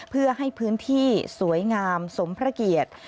เพื่อให้พื้นที่สวยงามสมพระเกียรติ